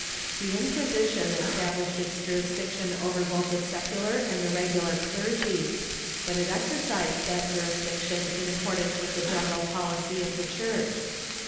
The Inquisition established its jurisdiction over both the secular and the regular clergy, but it exercised that jurisdiction in accordance with the general policy of the Church.